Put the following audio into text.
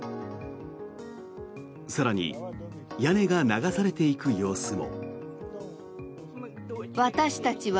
更に屋根が流されていく様子も。